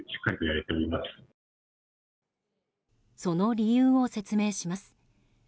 その理由を説明します。